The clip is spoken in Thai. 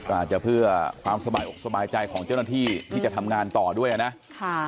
อาจจะเพื่อความสบายอกสบายใจของเจ้าหน้าที่ที่จะทำงานต่อด้วยนะค่ะ